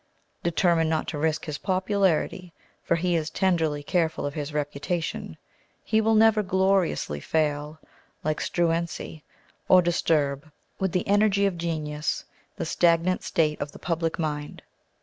Determined not to risk his popularity, for he is tenderly careful of his reputation, he will never gloriously fail like Struensee, or disturb, with the energy of genius, the stagnant state of the public mind.